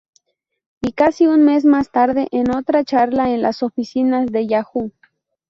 Y casi un mes más tarde, en otra charla en las oficinas de Yahoo!